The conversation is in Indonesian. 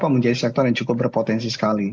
menjadi sektor yang cukup berpotensi sekali